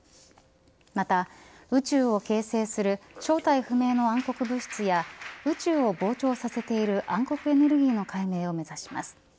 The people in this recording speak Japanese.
また、宇宙を形成する正体不明の暗黒物質や宇宙を膨張させている暗黒エネルギーの解明を目指します。